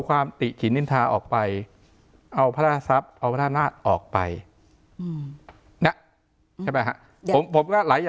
ความติขินลินทาออกไปเอาพระราชทรัพย์เอาพระราชนาศออกไป